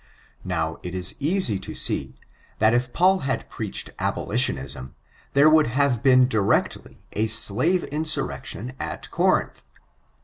Now, it is easy to see, that if Paul had preached abolitionism, there would have been directly a slave insurrection at Corinth.